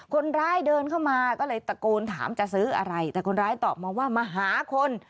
คนร้ายเดินเข้ามาก็เลยตะโกนถามจะซื้ออะไรแต่คนร้ายตอบมาว่ามาหาคน